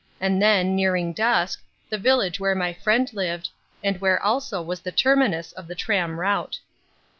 And then, nearing dusk, the village where my friend lived, and where also was the terminus of the tram route.